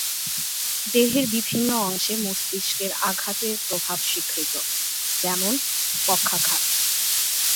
দেহের বিভিন্ন অংশে মস্তিষ্কের আঘাতের প্রভাব স্বীকৃত, যেমন পক্ষাঘাত।